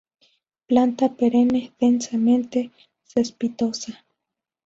Planta perenne densamente cespitosa.